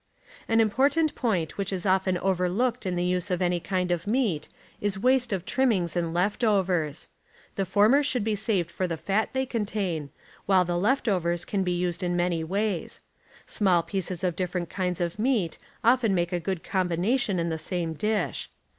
An important point which is often overlooked in the use of any kind of meat is waste of trimmings and left overs. The former should be saved for the fat they ccmtain, while the left rr, .. overs can be used in many w'avs. Small ijieces of 1 nmmings , dinerent kinds of meat often make a good combina 1 r. tion in the same dish.